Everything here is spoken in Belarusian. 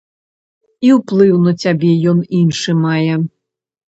І ўплыў на цябе ён іншы мае.